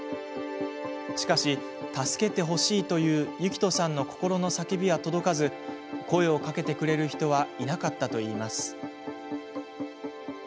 しかし、助けてほしいというユキトさんの心の叫びは届かず声をかけてくれる人はいなかったといいます。